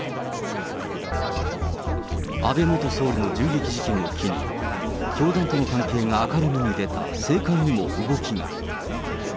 安倍元総理の銃撃事件を機に、教団との関係が明るみに出た政界にも動きが。